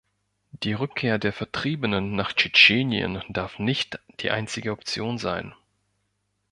Die Rückkehr der Vertriebenen nach Tschetschenien darf nicht die einzige Option sein.